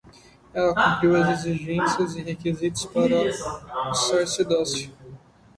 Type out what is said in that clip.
Ela cumpriu as exigências e requisitos para o sacerdócio